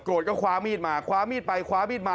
ก็คว้ามีดมาคว้ามีดไปคว้ามีดมา